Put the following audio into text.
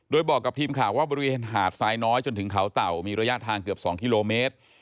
โดยบอกกับทีมข่าวว่าบริเวณหาดทรายน้อยจนถึงเขาเต่ามีระยะทางเกือบ๒กิโลเมตร